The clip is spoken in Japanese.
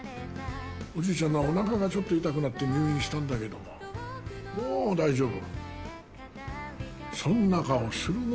おじいちゃん、おなかがちょっと痛くなって入院したんだけどもう大丈夫。